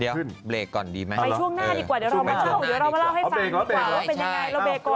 เดี๋ยวเบรกก่อนดีแม่งไปช่วงหน้าดีกว่าเดี๋ยวเรามาเล่าให้ฟังดีกว่า